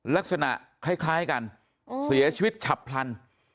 ลักษณะคล้ายกันเสียชีวิตฉับพลัน